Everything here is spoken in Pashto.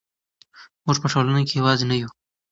موږ په ټولنه کې یوازې نه یو.